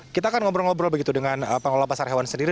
kita akan ngobrol ngobrol begitu dengan pengelola pasar hewan sendiri